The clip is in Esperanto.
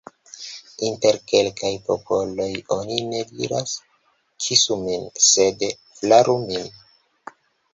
Inter kelkaj popoloj oni ne diras: « kisu min », sed « flaru min ».